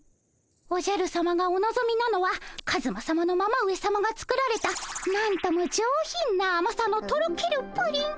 おじゃるさまがおのぞみなのはカズマさまのママ上さまが作られたなんとも上品なあまさのとろけるプリン。